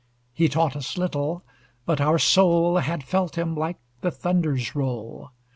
He taught us little; but our soul Had felt him like the thunder's roll.